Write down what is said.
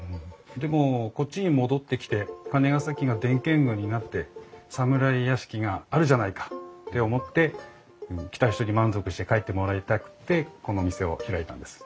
でもこっちに戻ってきて金ケ崎が伝建群になって侍屋敷があるじゃないかって思って来た人に満足して帰ってもらいたくってこの店を開いたんです。